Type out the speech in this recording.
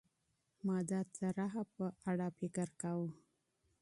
ما د پلان په اړه فکر کاوه.